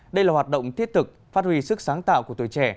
đây là hoạt động thiết thực phát huy sức sáng tạo của tuổi trẻ